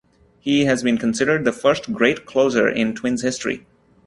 He has been considered the first great closer in Twins history.